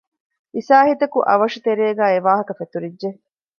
އިސާހިތަކު އަވަށު ތެރޭގައި އެ ވާހަކަ ފެތުރިއްޖެ